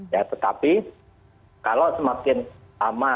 ya tetapi kalau semakin lama